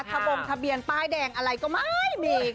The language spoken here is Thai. ทบงทะเบียนป้ายแดงอะไรก็ไม่มี